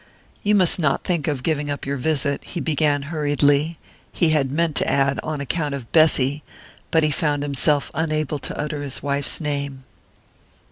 "You must not think of giving up your visit," he began hurriedly he had meant to add "on account of Bessy," but he found himself unable to utter his wife's name.